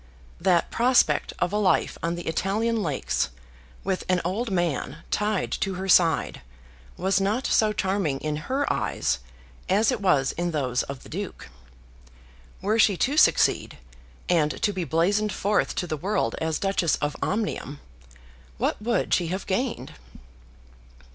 That prospect of a life on the Italian lakes with an old man tied to her side was not so charming in her eyes as it was in those of the Duke. Were she to succeed, and to be blazoned forth to the world as Duchess of Omnium, what would she have gained?